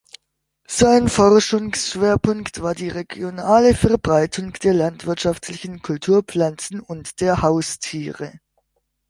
Sein Forschungsschwerpunkt war die regionale Verbreitung der landwirtschaftlichen Kulturpflanzen und der Haustiere.